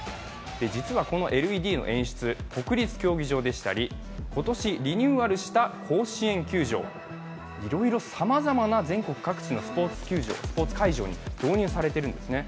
実はこのＬＥＤの演出、国立競技場でしたり今年リニューアルした甲子園球場、いろいろ、さまざまな全国各地のスポーツ会場に導入されているんですね。